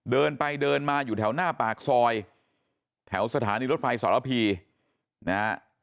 เดินไปเดินมาอยู่แถวหน้าปากซอยแถวสถานีรถไฟสรพีนะฮะ